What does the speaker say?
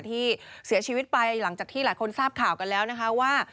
ที่เสียชีวิตไปหลังจากที่หลายคนทราบข่าวกันแล้วนะคะว่า